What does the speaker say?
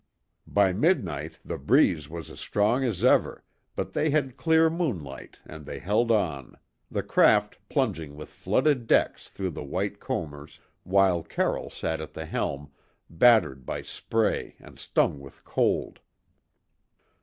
By midnight the breeze was as strong as ever, but they had clear moonlight and they held on; the craft plunging with flooded decks through the white combers, while Carroll sat at the helm, battered by spray and stung with cold.